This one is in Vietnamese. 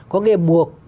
có nghĩa buộc